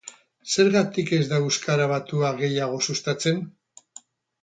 Zergatik ez da euskara batua gehiago sustatzen?